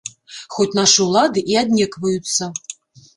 Хоць нашы ўлады і аднекваюцца.